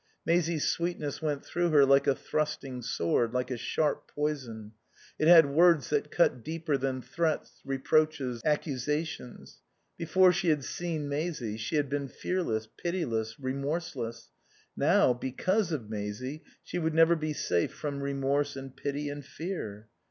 Maisie's sweetness went through her like a thrusting sword, like a sharp poison; it had words that cut deeper than threats, reproaches, accusations. Before she had seen Maisie she had been fearless, pitiless, remorseless; now, because of Maisie, she would never be safe from remorse and pity and fear.